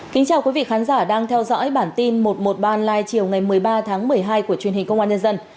kính chào quý vị khán giả đang theo dõi bản tin một trăm một mươi ba online chiều ngày một mươi ba tháng một mươi hai của truyền hình công an nhân dân